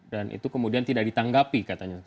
dan itu kemudian tidak ditanggapi katanya